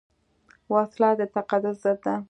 وسله د تقدس ضد ده